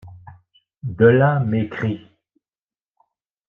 De là mes cris.